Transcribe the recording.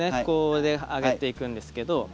こうで上げていくんですけど。